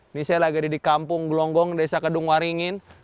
ini saya lagi di kampung gelonggong desa kedung waringin